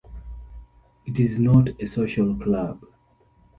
It is not a social club.